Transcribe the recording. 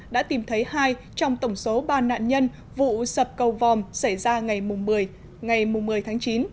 đã tìm thấy hai trong tổng số ba nạn nhân vụ sập cầu vòm xảy ra ngày một mươi tháng chín